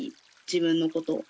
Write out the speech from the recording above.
自分のことを。